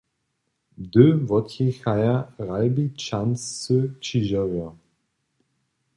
Hdy wotjěchaja Ralbičanscy křižerjo?